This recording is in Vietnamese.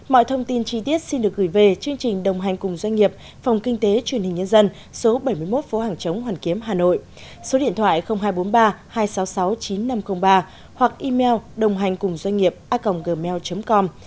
mọi thông tin chi tiết xin được gửi về chương trình đồng hành cùng doanh nghiệp phòng kinh tế truyền hình nhân dân số bảy mươi một phố hàng chống hoàn kiếm hà nội số điện thoại hai trăm bốn mươi ba hai trăm sáu mươi sáu chín nghìn năm trăm linh ba hoặc email đồnghànhcunghiệp a gmail com